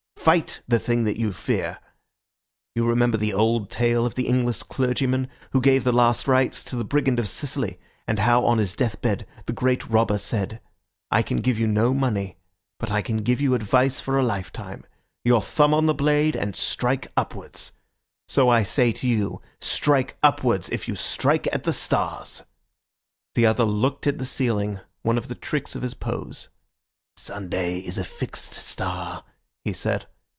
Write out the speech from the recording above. Fight the thing that you fear. You remember the old tale of the English clergyman who gave the last rites to the brigand of Sicily, and how on his death bed the great robber said, 'I can give you no money, but I can give you advice for a lifetime: your thumb on the blade, and strike upwards.' So I say to you, strike upwards, if you strike at the stars." The other looked at the ceiling, one of the tricks of his pose. "Sunday is a fixed star," he said.